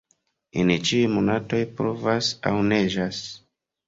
En ĉiuj monatoj pluvas aŭ neĝas.